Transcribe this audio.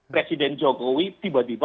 presiden jokowi tiba tiba